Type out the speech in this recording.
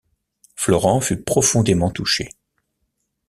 Florent fut profondément touché.